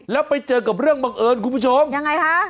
แล้วไปเจอกับเรื่องบังเอิญคุณผู้ชมยังไงคะ